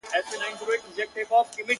زورور یم خو څوک نه آزارومه.!